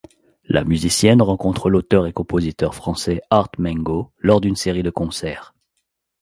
La musicienne rencontre l'auteur et compositeur français Art Mengo lors d'une série de concerts.